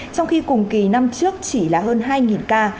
trong khi cùng kỳ năm trước chỉ là hơn hai ca